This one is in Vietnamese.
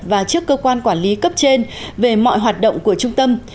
và trước cơ quan quản lý cấp trên về mọi hoạt động của trung tâm